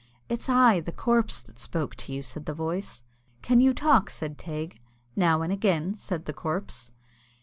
"It's I, the corpse, that spoke to you!" said the voice. "Can you talk?" said Teig. "Now and again," said the corpse.